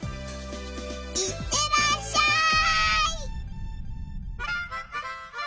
行ってらっしゃい！